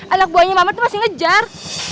anak buahnya mama masih ngejar